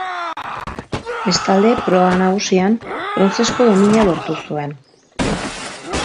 Bestalde, proba nagusian, brontzezko domina lortu zuen.